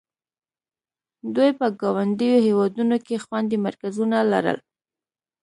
دوی په ګاونډیو هېوادونو کې خوندي مرکزونه لرل.